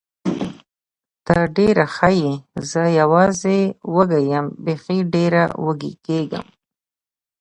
ته ډېره ښه یې، زه یوازې وږې یم، بېخي ډېره وږې کېږم.